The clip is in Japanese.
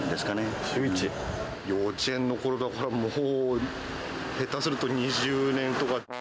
幼稚園のころだから、もう下手すると２０年とか。